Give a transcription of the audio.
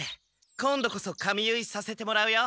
今度こそ髪結いさせてもらうよ。